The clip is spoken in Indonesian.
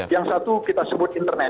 yang satu kita sebut internet